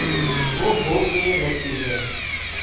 وہ ہو کے رہتی ہے۔